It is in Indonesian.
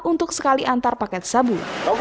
untuk sekali antar paket sabu